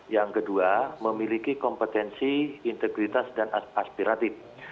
yang kedua memiliki kompetensi integritas dan aspiratif